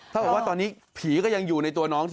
ถ้าบอกว่าตอนนี้ผีก็ยังอยู่ในตัวน้องสิ